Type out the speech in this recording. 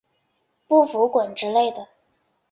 不服滚之类的